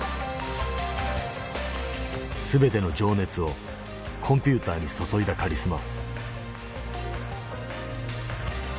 全ての情熱をコンピューターに注いだカリスマ。